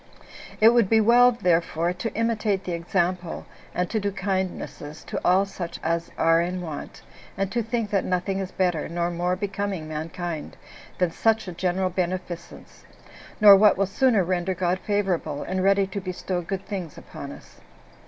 It would be well therefore to imitate the example and to do kindnesses to all such as are in want and to think that nothing is better, nor more becoming mankind, than such a general beneficence, nor what will sooner render God favorable, and ready to bestow good things upon us.